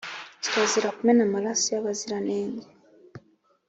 kirazira kumena amaraso y’abaziranenge